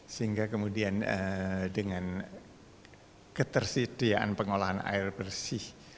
sehingga kemudian dengan ketersediaan pengolahan air bersih